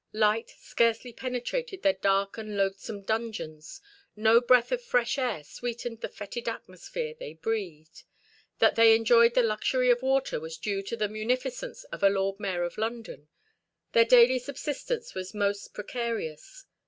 Light scarcely penetrated their dark and loathsome dungeons; no breath of fresh air sweetened the fetid atmosphere they breathed; that they enjoyed the luxury of water was due to the munificence of a lord mayor of London. Their daily subsistence was most precarious.